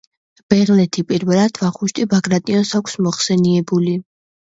ბეღლეთი პირველად ვახუშტი ბაგრატიონს აქვს მოხსენიებული.